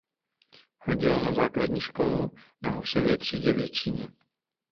Chodil na základní školu na Husově třídě v Jičíně.